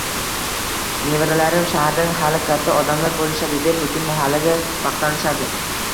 Nevaralarim shaharda hali katta odamlar bo’lishadi deb butun mahallaga maqtanishadi..